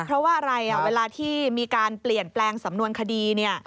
เพราะว่าอะไรเวลาที่มีการเปลี่ยนแปลงสำนวนคดีเนี่ย